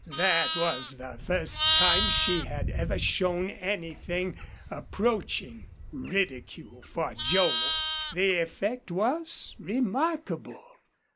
That was the first time she had ever shown anything, approaching ridicule for Joel. The effect was remarkable.